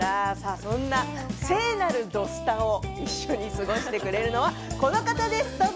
そんな聖なる「土スタ」を一緒に過ごしてくれるのはこの方です、どうぞ。